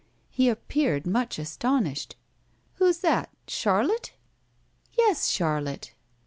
He appeared much astonished. "Who is that? Charlotte?" "Yes, Charlotte!"